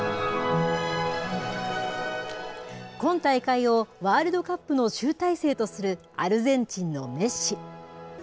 今大会をワールドカップの集大成とするアルゼンチンのメッシ。